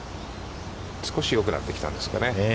少しよくなってきたんですかね。